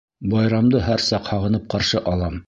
— Байрамды һәр саҡ һағынып ҡаршы алам.